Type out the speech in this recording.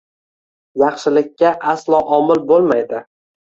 yaxshilikka aslo omil bo‘lmaydi.